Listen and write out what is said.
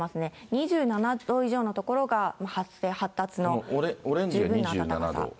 ２７度以上の所が発生、発達の十分な暖かさ。